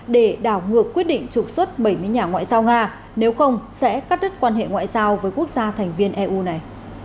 để đảo ngược quyết định trục xuất bảy mươi nhà ngoại giao nga nếu không sẽ cắt đứt quan hệ ngoại giao với quốc gia thành viên eu này